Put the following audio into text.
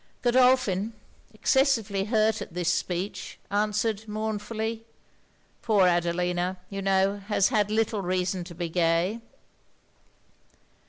Godolphin, excessively hurt at this, speech, answered mournfully 'Poor Adelina, you know, has had little reason to be gay.'